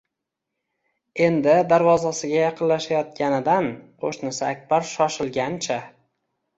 Endi darvozasiga yaqinlashayotganidan qo`shnisi Akbar shoshilgancha